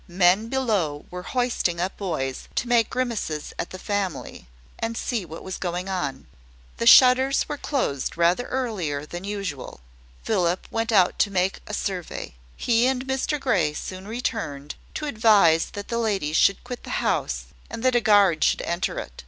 Men below were hoisting up boys, to make grimaces at the family, and see what was going on. The shutters were closed rather earlier than usual. Philip went out to make a survey. He and Mr Grey soon returned, to advise that the ladies should quit the house, and that a guard should enter it.